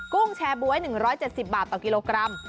กุ้งแชร์บ๊วย๑๗๐บาทต่อกิโลกรัม